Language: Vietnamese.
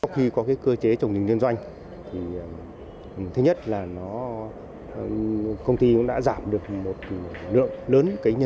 khi có cơ chế trồng rừng liên doanh công ty đã giảm được một lượng lớn